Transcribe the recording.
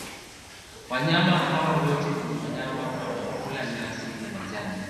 wanyama hawa wote ni wanyama wanaokula nyasi na majani